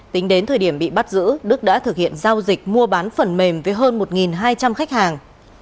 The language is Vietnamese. tính đến thời điểm bị bắt giữ đức đã thực hiện giao dịch mua bán phần mềm với hơn một hai trăm linh khách hàng